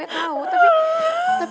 iya gua tau gua tau tapi